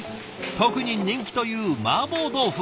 特に人気というマーボー豆腐。